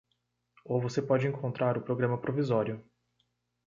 Ou você pode encontrar o programa provisório.